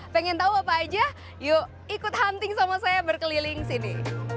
pengen tahu apa aja yuk ikut hunting sama saya berkeliling sini